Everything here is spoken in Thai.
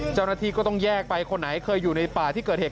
เจ้าหน้าที่ก็ต้องแยกไปคนไหนเคยอยู่ในป่าที่เกิดเหตุ